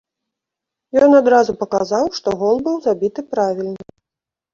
Ён адразу паказаў, што гол быў забіты правільна.